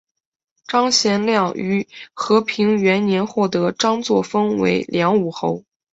张玄靓于和平元年获张祚封为凉武侯。